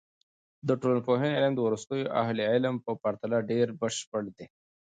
د ټولنپوهنې علم د وروستیو اهل علم په پرتله ډېر بشپړ دی.